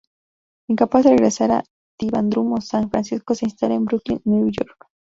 Incapaz de regresar a Trivandrum o San Francisco, se instala en Brooklyn, Nueva York.